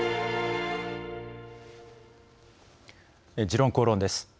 「時論公論」です。